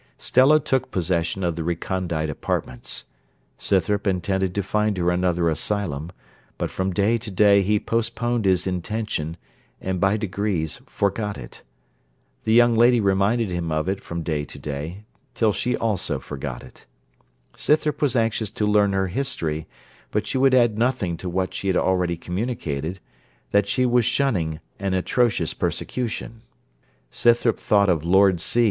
Stella took possession of the recondite apartments. Scythrop intended to find her another asylum; but from day to day he postponed his intention, and by degrees forgot it. The young lady reminded him of it from day to day, till she also forgot it. Scythrop was anxious to learn her history; but she would add nothing to what she had already communicated, that she was shunning an atrocious persecution. Scythrop thought of Lord C.